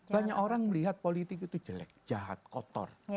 banyak orang melihat politik itu jelek jahat kotor